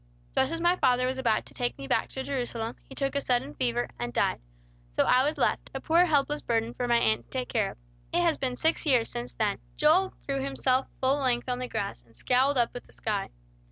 Just as my father was about to take me back to Jerusalem, he took a sudden fever, and died. So I was left, a poor helpless burden for my aunt to take care of. It has been six years since then." Joel threw himself full length on the grass, and scowled up at the sky.